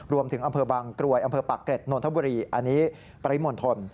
อำเภอบางกรวยอำเภอปากเกร็ดนนทบุรีอันนี้ปริมณฑล